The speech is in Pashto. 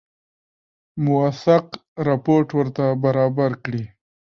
موثق رپوټ ورته برابر کړي.